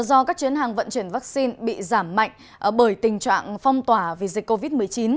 do các chuyến hàng vận chuyển vaccine bị giảm mạnh bởi tình trạng phong tỏa vì dịch covid một mươi chín